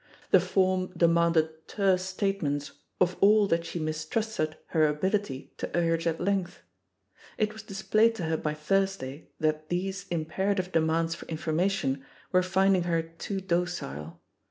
The form de manded terse statements of all that she mis trusted her ability to iu*ge at length. It was displayed to her by Thursday that these impera tive demands for information were finding her too docile.